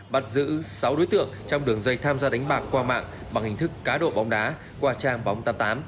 bắt giữ sáu đối tượng trong đường dây tham gia đánh bạc qua mạng bằng hình thức cá độ bóng đá qua trang bóng tám mươi tám